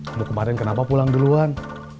ibu kemarin kenapa pulang duluan